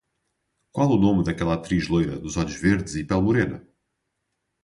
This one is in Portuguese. Qual o nome daquela atriz loira, dos olhos verdes e pele morena?